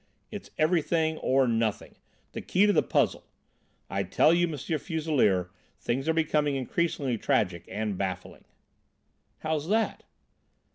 It's everything or nothing. The key to the puzzle. I tell you, M. Fuselier, things are becoming increasingly tragic and baffling." "How's that?"